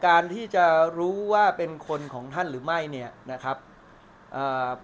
การที่จะรู้ว่าเป็นคนของท่านหรือไม่เนี่ยนะครับเอ่อ